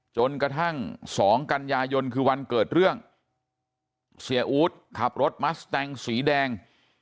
จนกระทั่งสองกันยายนคือวันเกิดเรื่องเสียอู๊ดขับรถมัสแตงสีแดง